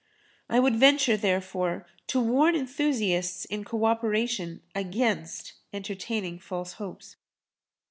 I would venture, therefore, to warn enthusiasts in co operation against entertaining false hopes.